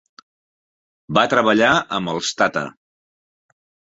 Va treballar amb els Tata.